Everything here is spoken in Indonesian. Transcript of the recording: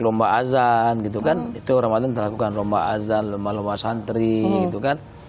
lomba azan gitu kan itu ramadan dilakukan lomba azan lomba lomba santri gitu kan